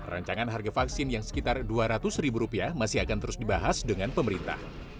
rancangan harga vaksin yang sekitar dua ratus ribu rupiah masih akan terus dibahas dengan pemerintah